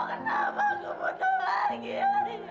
kenapa aku buta lagi ina